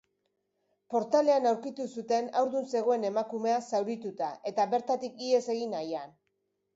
Portalean aurkitu zuten haurdun zegoen emakumea zaurituta eta bertatik ihes egin nahian.